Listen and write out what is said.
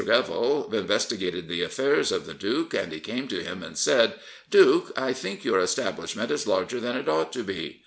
Greville investigated the affairs of the duke, and he came to him and said: " Duke, I think your establishment is larger than it ought to be."